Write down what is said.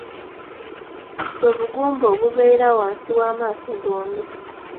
Bwe bugumba obubeera wansi w'amaaso gombi.